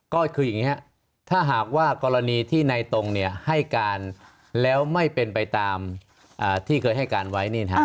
ก็คืออย่างนี้ครับถ้าหากว่ากรณีที่ในตรงให้การแล้วไม่เป็นไปตามที่เคยให้การไว้